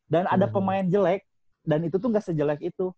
dan ada pemain jelek dan itu tuh gak sejelek itu